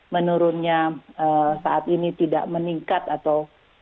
menurunnya saat ini tidak meningkat atau